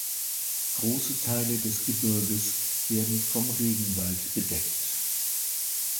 Große Teile des Gebirges werden vom Regenwald bedeckt.